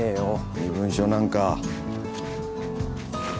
身分証なんか。